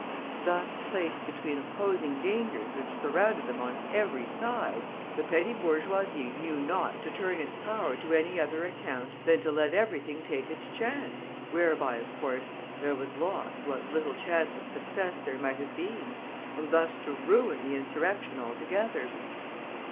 Thus placed between opposing dangers which surrounded them on every side, the petty bourgeoisie knew not to turn its power to any other account than to let everything take its chance, whereby, of course, there was lost what little chance of success there might have been, and thus to ruin the insurrection altogether.